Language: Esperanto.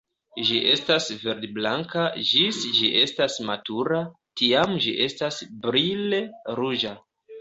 Ĝi estas verd-blanka ĝis ĝi estas matura, tiam ĝi estas brile ruĝa.